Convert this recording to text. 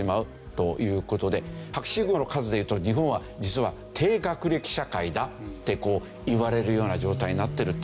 博士号の数で言うと日本は実は低学歴社会だって言われるような状態になってるという事。